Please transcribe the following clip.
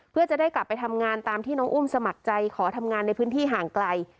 เพื่อจะได้กลับไปทำงานตามที่น้องอุ้มสมัครใจขอทำงานในพื้นที่ห่างไกล